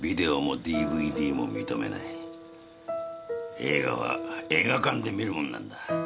映画は映画館で観るもんなんだ。